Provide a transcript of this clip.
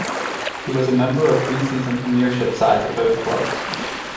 He was a member of preseason premiership sides at both clubs.